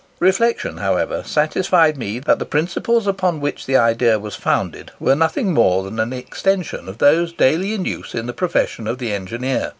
Reflection, however, satisfied me that the principles upon which the idea was founded were nothing more than an extension of those daily in use in the profession of the engineer.